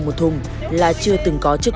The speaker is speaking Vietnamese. rồi hàng đấy là hàng mấy lớp